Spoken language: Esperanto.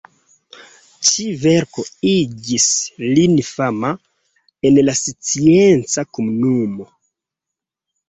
Ĉi-verko igis lin fama en la scienca komunumo.